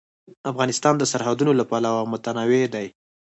افغانستان د سرحدونه له پلوه متنوع دی.